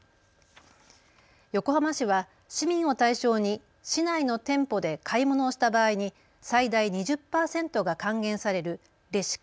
横浜市は市民を対象に市内の店舗で買い物をした場合に最大２０％が還元されるレシ活